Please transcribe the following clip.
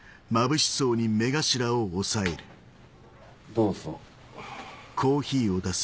どうぞ。